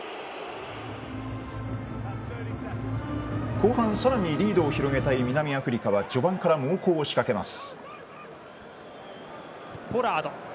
後半、さらにリードを広げたい南アフリカは序盤から猛攻を仕掛けます。